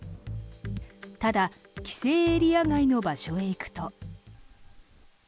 ただ、規制エリア外の場所へ行くと。